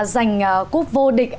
giành cúp vô địch